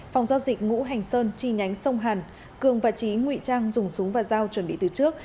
phòng giao dịch ngũ hành sơn chi nhánh sông hàn cường và trí nguy trang dùng súng và dao chuẩn bị từ trước